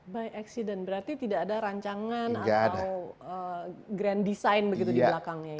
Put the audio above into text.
by accident berarti tidak ada rancangan atau grand design begitu di belakangnya ya